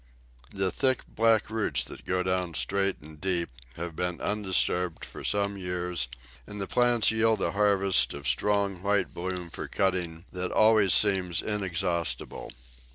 The thick, black roots that go down straight and deep have been undisturbed for some years, and the plants yield a harvest of strong white bloom for cutting that always seems inexhaustible.